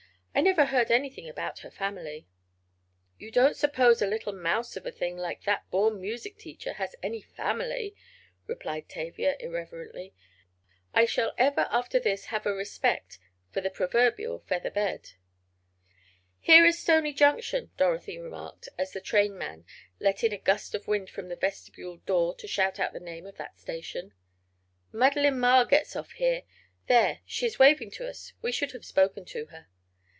"I never heard anything about her family." "You don't suppose a little mouse of a thing, like that born music teacher, has any family," replied Tavia irreverently. "I shall ever after this have a respect for the proverbial feather bed." "Here is Stony Junction," Dorothy remarked, as the trainman let in a gust of wind from the vestibuled door to shout out the name of that station. "Madeline Maher gets off here. There, she is waving to us! We should have spoken to her."